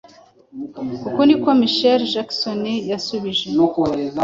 uku niko Michael Jackson yasubije